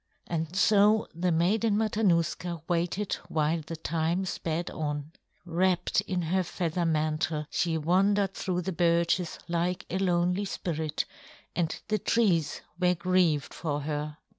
And so the Maiden Matanuska waited while the time sped on. Wrapped in her feather mantle, she wandered through the birches like a lonely spirit, and the trees were grieved for her.